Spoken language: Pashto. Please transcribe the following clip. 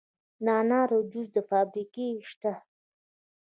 د انارو د جوس فابریکې شته.